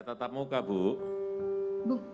tetap muka bu